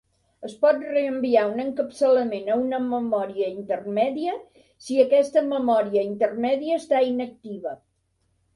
Es pot reenviar un encapçalament a un memòria intermèdia si aquesta memòria intermèdia està inactiva.